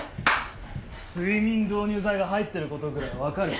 睡眠導入剤が入ってることぐらい分かる。